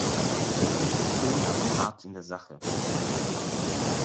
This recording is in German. Höflich im Ton, aber hart in der Sache.